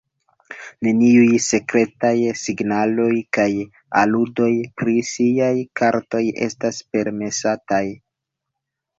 Neniuj sekretaj signaloj kaj aludoj pri siaj kartoj estas permesataj.